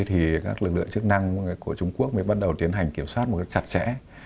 thì các lực lượng chức năng của trung quốc mới bắt đầu tiến hành kiểm soát một cách chặt chẽ